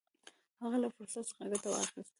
هغه له فرصت څخه ګټه واخیسته.